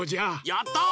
やった！